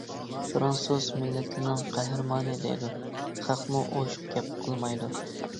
فىرانسۇز مىللىتىنىڭ قەھرىمانى دەيدۇ، خەقمۇ ئوشۇق گەپ قىلمايدۇ.